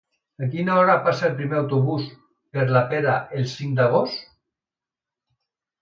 A quina hora passa el primer autobús per la Pera el cinc d'agost?